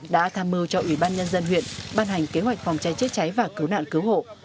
đã tham mưu cho ủy ban nhân dân huyện ban hành kế hoạch phòng cháy chữa cháy và cứu nạn cứu hộ